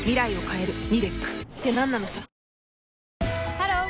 ハロー！